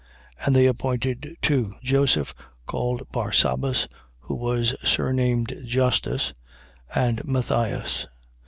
1:23. And they appointed two, Joseph, called Barsabas, who was surnamed Justus, and Matthias.